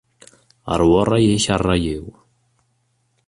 Ṛwu ṛṛay-ik, a ṛṛay-iw.